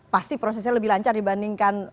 pasti prosesnya lebih lancar dibandingkan